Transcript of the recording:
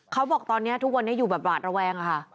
เขาบอกตอนนี้ทุกวันนี้อยู่แบบหวาดระแวงค่ะ